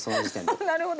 あなるほど。